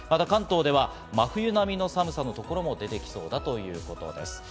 関東では真冬並みの寒さのところも出てきそうだということです。